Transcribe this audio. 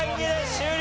終了。